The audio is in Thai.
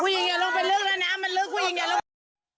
คุยอย่างเยี่ยมลงไปเลือกแล้วนะมันเลือกคุยอย่างไง